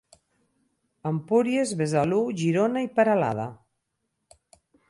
Empúries, Besalú, Girona i Peralada.